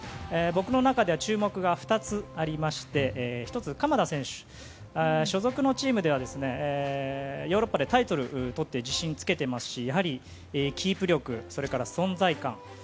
僕の中では注目が２つありまして１つ鎌田選手、所属のチームではヨーロッパでタイトルとって自信をつけていますしやはり、キープ力それから存在感。